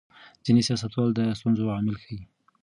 ځینې سیاستوال د ستونزو عامل ښيي.